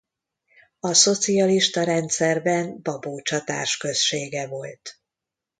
A szocialista rendszerben Babócsa társközsége volt.